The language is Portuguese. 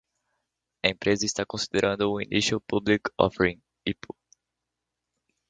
A empresa está considerando um Initial Public Offering (IPO).